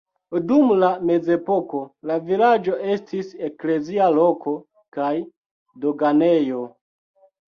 Dum la mezepoko la vilaĝo estis eklezia loko kaj doganejo.